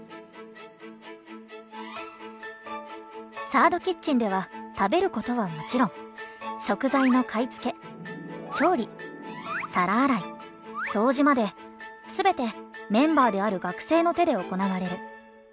「サード・キッチンでは食べることはもちろん食材の買い付け調理皿洗い掃除まで全てメンバーである学生の手で行われる」。